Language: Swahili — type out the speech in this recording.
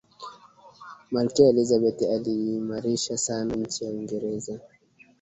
malkia elizabeth aliimarisha sana nchi ya uingereza